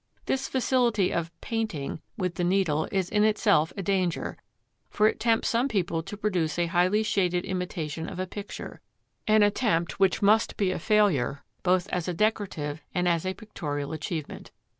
This facility of "painting" with the needle is in itself a danger, for it tempts some people to produce a highly shaded imitation of a picture, an attempt which must be a failure both as a decorative and as a pictorial achievement.